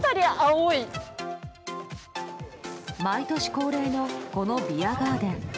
毎年恒例のこのビアガーデン。